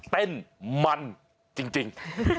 เต้นมันจริง